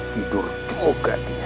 tidur juga dia